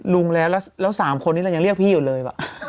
ลุงแล้วแล้ว๓คนนี้เรายังเรียกพี่อยู่เลย